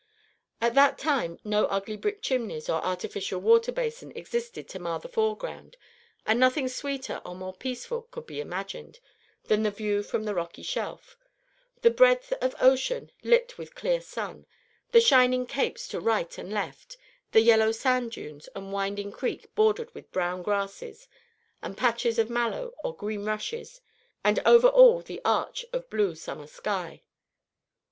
At that time no ugly brick chimneys or artificial water basin existed to mar the foreground; and nothing sweeter or more peaceful could be imagined than the view from the rocky shelf, the breadth of ocean lit with clear sun, the shining capes to right and left, the yellow sand dunes and winding creek bordered with brown grasses and patches of mallow or green rushes, and over all the arch of blue summer sky.